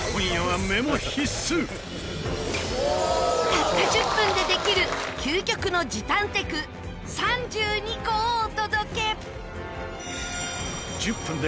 たった１０分でできる究極の時短テク３２個をお届け！